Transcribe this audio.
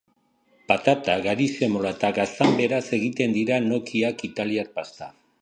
Patata, gari semola eta gaztanberaz egiten dira gnoqui-ak, italiar pasta.